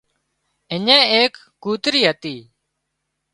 اڃين ايڪ ڪوترِي هتي